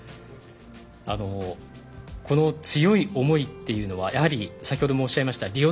この強い思いっていうのはやはり先ほどもおっしゃいましたリオ